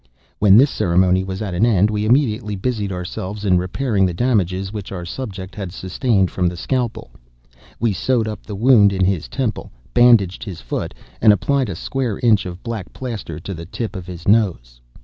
When this ceremony was at an end, we immediately busied ourselves in repairing the damages which our subject had sustained from the scalpel. We sewed up the wound in his temple, bandaged his foot, and applied a square inch of black plaster to the tip of his nose.